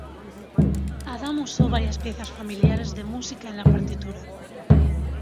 Adam usó varias piezas familiares de música en la partitura.